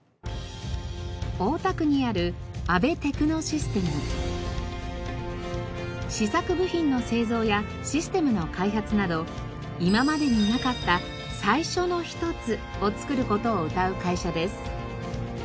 大田区にある試作部品の製造やシステムの開発など今までになかった「最初のひとつ」を創る事をうたう会社です。